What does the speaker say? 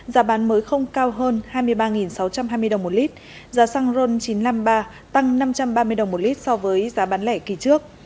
giá bán mới không cao hơn hai mươi ba sáu trăm hai mươi đồng một lít giá xăng ron chín trăm năm mươi ba tăng năm trăm ba mươi đồng một lít so với giá bán lẻ kỳ trước